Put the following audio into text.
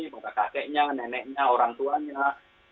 pada kakeknya neneknya orang tuanya